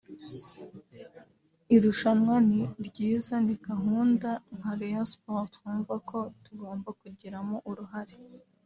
Irushanwa ni ryiza ni na gahunda nka Rayon Sports twumva ko tugomba kugiramo uruhare